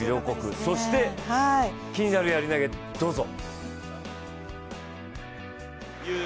そして気になるやり投、どうぞ。